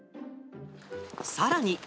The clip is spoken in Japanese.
さらに。